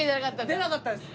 出なかったです。